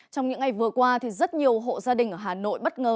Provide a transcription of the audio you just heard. trong những ngày vừa qua thì rất nhiều hộ gia đình ở hà nội bất ngờ